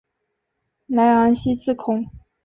莱昂西兹孔。